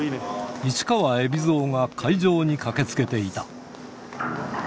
市川海老蔵が会場に駆けつけていた。